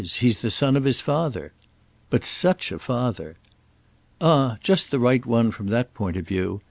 He's the son of his father!" "But such a father!" "Ah just the right one from that point of view!